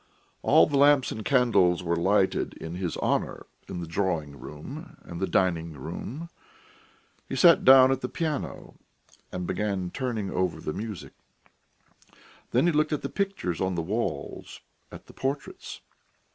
All the lamps and candles were lighted in his honour in the drawing room and the dining room. He sat down at the piano and began turning over the music. Then he looked at the pictures on the walls, at the portraits.